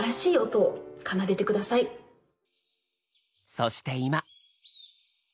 そして今。